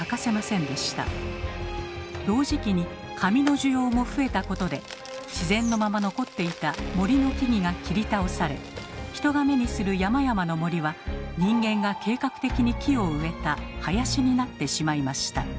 同時期に紙の需要も増えたことで自然のまま残っていた「森」の木々が切り倒され人が目にする山々の森は人間が計画的に木を植えた「林」になってしまいました。